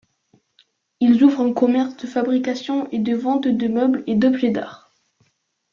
Ils ouvrent un commerce de fabrication et de vente de meubles et d'objets d'art.